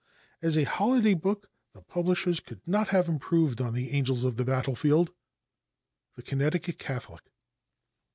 As a holiday book the publishers could not have improved on the "Angels of the Battlefield." The Connecticut Catholic.